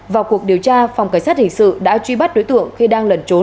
vào cuộc điều tra phòng cảnh sát hình sự đã truy bắt đối tượng khi đang lẩn trốn